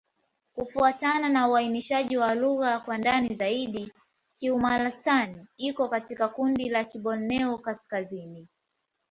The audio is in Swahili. Kufuatana na uainishaji wa lugha kwa ndani zaidi, Kiuma'-Lasan iko katika kundi la Kiborneo-Kaskazini.